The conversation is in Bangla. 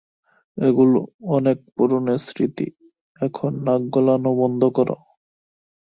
এগুলো অনেক পুরনো স্মৃতি, এখন নাক গলানো বন্ধ কর!